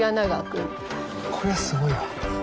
これはすごいわ。